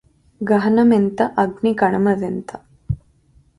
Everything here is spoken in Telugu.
గహనమెంత అగ్ని కణమదెంత